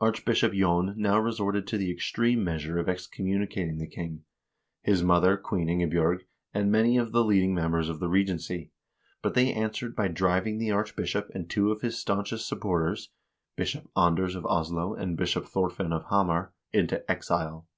Arch bishop Jon now resorted to the extreme measure of excommunicating the king, his mother (Queen Ingebj0rg), and many of the leading members of the regency, but they answered by driving the arch bishop and two of his stanchest supporters, Bishop Anders of Oslo and Bishop Thorfinn of Hamar, into exile.